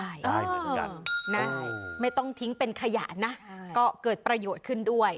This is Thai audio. ใช่เหมือนกันนะไม่ต้องทิ้งเป็นขยะนะก็เกิดประโยชน์ขึ้นด้วย